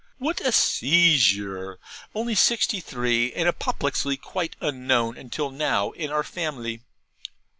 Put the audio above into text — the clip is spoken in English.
What a seizure! only sixty three, and apoplexy quite unknown until now in our family!